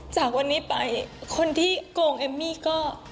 จากวันนี้ไปคนที่โกงเอมมี่ก็